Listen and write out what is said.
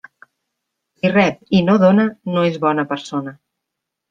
Qui rep i no dóna no és bona persona.